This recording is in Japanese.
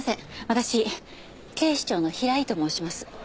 私警視庁の平井と申します。